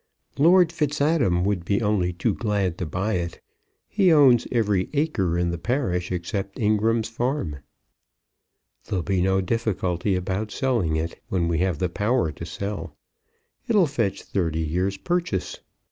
"Lord Fitzadam would be only too glad to buy it. He owns every acre in the parish except Ingram's farm." "There'll be no difficulty about selling it, when we have the power to sell. It'll fetch thirty years' purchase.